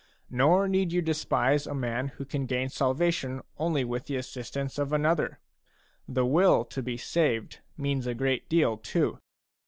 Nor need you despise a man who can gain salvation only with the assistance of another; the will to be saved means a great deal, too.